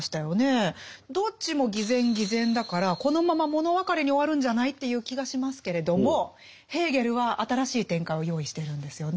どっちも偽善偽善だからこのまま物別れに終わるんじゃない？という気がしますけれどもヘーゲルは新しい展開を用意してるんですよね。